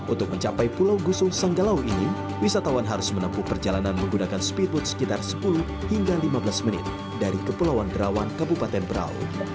untuk mencapai pulau gusung sanggalau ini wisatawan harus menempuh perjalanan menggunakan speedboat sekitar sepuluh hingga lima belas menit dari kepulauan derawan kabupaten berau